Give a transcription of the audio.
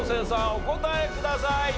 お答えください。